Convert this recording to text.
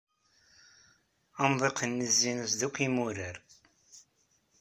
Amḍiq-nni zzin-as-d akk imurar.